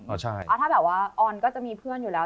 เพราะถ้าแบบว่าออนก็จะมีเพื่อนอยู่แล้ว